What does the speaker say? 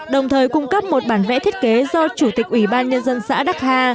đồng thời cung cấp một bản vẽ thiết kế do chủ tịch ủy ban nhân dân xã đắc hà